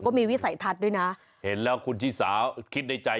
วิสัยทัศน์ด้วยนะเห็นแล้วคุณชิสาคิดในใจ